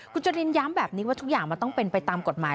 คุณจุรินย้ำแบบนี้ว่าทุกอย่างมันต้องเป็นไปตามกฎหมาย